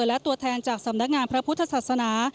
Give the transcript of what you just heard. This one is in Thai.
และตัวแทนจากสำนักงานพระพุทธศาสนา